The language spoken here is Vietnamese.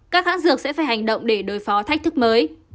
các hãng dược sẽ phải hành động để đối phó thách thức mới